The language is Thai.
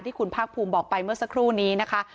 ที่คุณภาคภูมิบอกไปเมื่อสักครู่นี้นะคะ